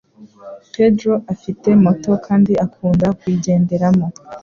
Pedro afite moto kandi akunda kuyigenderamo.